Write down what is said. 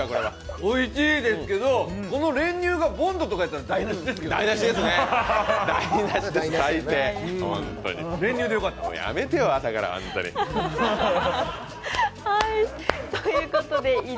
おいしいですけど、この練乳がボンドとかやったら台なしですけどね。